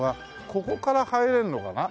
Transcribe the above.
ここから入れるのかな？